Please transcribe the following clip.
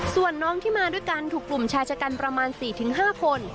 ส่วนน้องที่มาด้วยกันถูกกลุ่มชายชะกันประมาณ๔๕คน